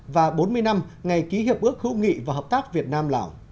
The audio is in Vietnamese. và bốn mươi năm ngày ký hiệp ước hữu nghị và hợp tác việt nam lào